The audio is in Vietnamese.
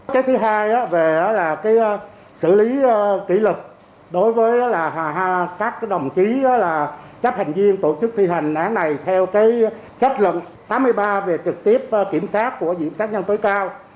cái thứ hai là xử lý kỷ lực đối với các đồng chí chấp hành viên tổ chức thi hành án này theo sách luận tám mươi ba về trực tiếp kiểm sát của viện kiểm sát nhân tối cao